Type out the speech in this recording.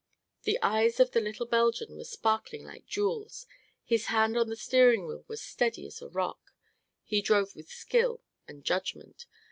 The eyes of the little Belgian were sparkling like jewels; his hands on the steering wheel were steady as a rock; he drove with skill and judgment.